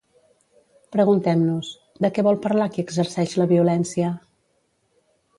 Preguntem-nos: De què vol parlar qui exerceix la violència?